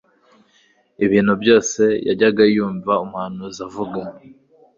Ibintu byose yajyaga yumva umuhanuzi avuga,